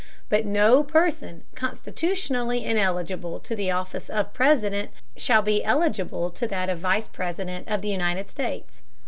But no person constitutionally ineligible to the office of President shall be eligible to that of Vice President of the United States.